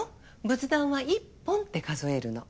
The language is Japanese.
仏壇は１本って数えるの。